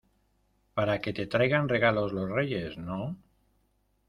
para que te traigan regalos los Reyes, ¿ no?